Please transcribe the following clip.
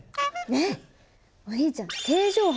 えっお兄ちゃん